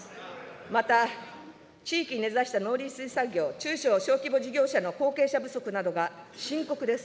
また、地域に根差した農林水産業、中小・小規模事業者の後継者不足などが深刻です。